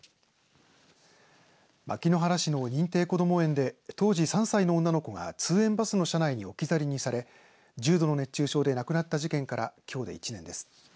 牧之原市の認定こども園で当時３歳の女の子が通園バスの車内に置き去りにされ重度の熱中症で亡くなった事件からきょうで１年です。